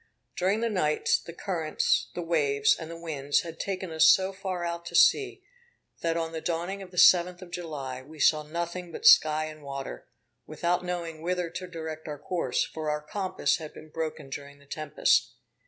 During the night, the currents, the waves, and the winds had taken us so far out to sea, that, on the dawning of the 7th of July, we saw nothing but sky and water, without knowing whither to direct our course; for our compass had been broken during the tempest.